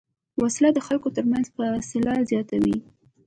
وسله د خلکو تر منځ فاصله زیاتوي